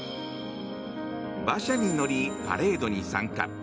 馬車に乗り、パレードに参加。